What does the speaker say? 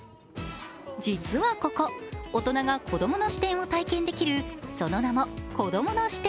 実はここ、大人が子供の視点を体験できるその名も、こどもの視点